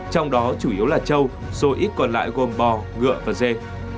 trong đó chủ yếu là châu số ít còn lại gồm bò ngựa và dê